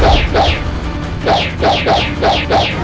sebab ketagaian diri dapat ter différentes